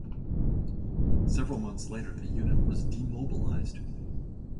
Several months later the unit was demobilized.